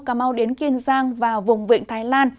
cà mau đến kiên giang và vùng vịnh thái lan